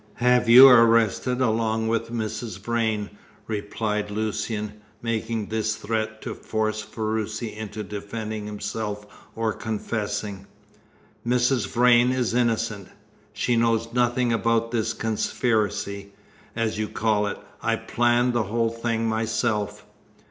"Have you arrested, along with Mrs. Vrain," replied Lucian, making this threat to force Ferruci into defending himself or confessing. "Mrs. Vrain is innocent she knows nothing about this conspiracy, as you call it. I planned the whole thing myself."